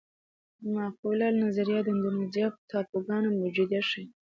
معقوله نظریه د اندونیزیا ټاپوګانو موجودیت ښيي.